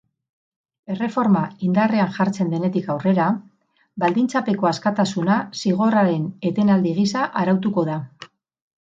Erreforma indarrean jartzen denetik aurrera, baldintzapeko askatasuna zigorraren etenaldi gisa arautuko da.